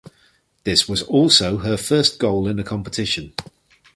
This was also her first goal in the competition.